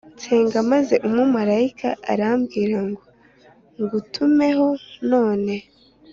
nsenga maze umumarayika arambwira ngo ngutumeho None